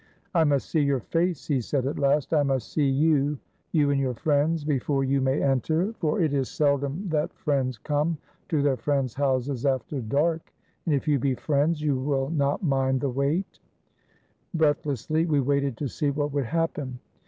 "I must see your face," he said, at last. "I must see you — you and your friends — before you may enter, 427 THE BALKAN STATES for it is seldom that friends come to their friends' houses after dark, and if you be friends, you will not mind the wait." Breathlessly, we waited to see what would happen.